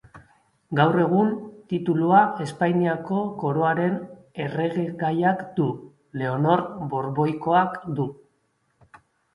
Gaur egun, titulua Espainiako Koroaren erregegaiak du, Leonor Borboikoak du.